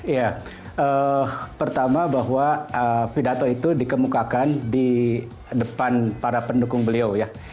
ya pertama bahwa pidato itu dikemukakan di depan para pendukung beliau ya